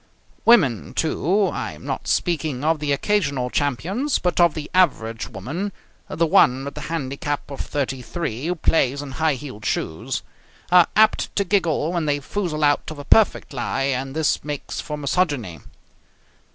Women, too I am not speaking of the occasional champions, but of the average woman, the one with the handicap of 33, who plays in high heeled shoes are apt to giggle when they foozle out of a perfect lie, and this makes for misogyny.